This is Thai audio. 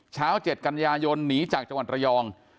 เช้า๗กันยายนหนีจากจังหวัดระยอง